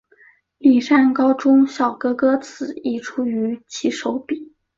丽山高中校歌歌词亦出于其手笔。